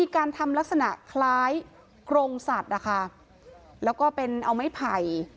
การทำลักษณะคล้ายกรงสัตว์นะคะแล้วก็เป็นเอาไม้ไผ่